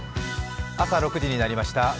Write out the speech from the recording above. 朝６時になりました。